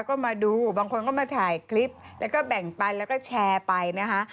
ก็มาดูบางคนก็มาถ่ายคลิปแล้วก็แบ่งไปแล้วก็แชร์ไปนะคะ